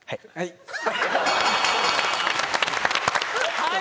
「はい」